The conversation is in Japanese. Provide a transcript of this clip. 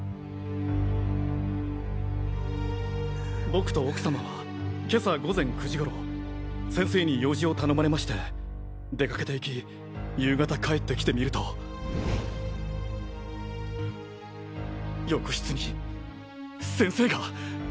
僕と奥様は今朝午前９時頃先生に用事を頼まれまして出掛けて行き夕方帰ってきてみると浴室に先生が。